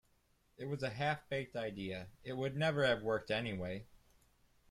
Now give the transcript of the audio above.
It was a half-baked idea, it would never have worked anyway.